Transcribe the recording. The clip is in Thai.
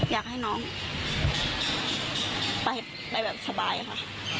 อยากให้น้องไปแบบสบายค่ะ